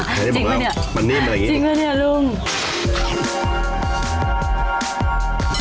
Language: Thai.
จริงป่ะเนี่ยจริงป่ะเนี่ยลุงมันนิ่มไปแบบนี้